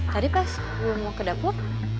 tadi pas mau ke dapur